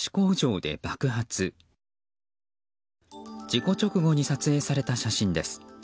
事故直後に撮影された写真です。